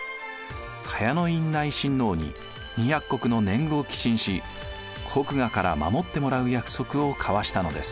高陽院内親王に２００石の年貢を寄進し国衙から守ってもらう約束を交わしたのです。